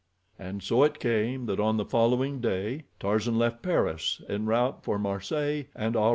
And so it came that on the following day Tarzan left Paris en route for Marseilles and Oran.